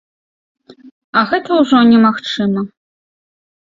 А гэта ўжо немагчыма.